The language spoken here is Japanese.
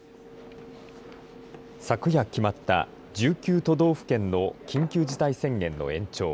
昨夜決まった、１９都道府県の緊急事態宣言の延長。